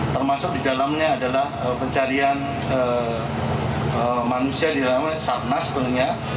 termasuk di dalamnya adalah pencarian manusia di dalamnya satna setelahnya